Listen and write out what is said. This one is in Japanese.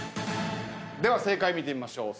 では正解見てみましょう。